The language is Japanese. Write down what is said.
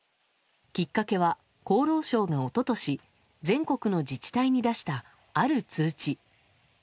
きっかけは、厚労省が一昨年全国の自治体に出したある通知。